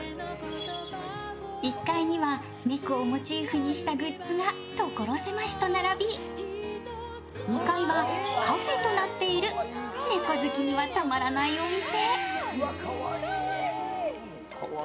１階には猫をモチーフにしたグッズが所狭しと並び２階はカフェとなっている猫好きにはたまらないお店。